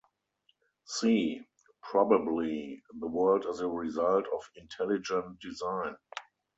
C. Probably the world is a result of intelligent design.